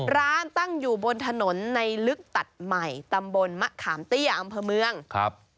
ตั้งอยู่บนถนนในลึกตัดใหม่ตำบลมะขามเตี้ยอำเภอเมืองครับ